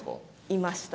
いました。